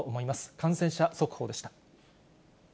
感染者速報でした。